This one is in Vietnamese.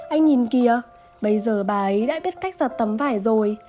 anh nhìn kia bây giờ bà ấy đã biết cách giặt tấm vải rồi